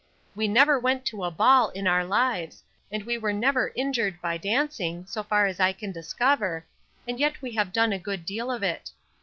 We never went to a ball in our lives, and we were never injured by dancing, so far as I can discover, and yet we have done a good deal of it.